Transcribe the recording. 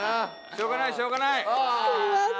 しょうがないしょうがない！すみません。